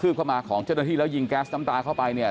เหลือเพียงกลุ่มเจ้าหน้าที่ตอนนี้ได้ทำการแตกกลุ่มออกมาแล้วนะครับ